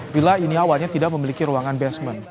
bila ini awalnya tidak memiliki ruangan basement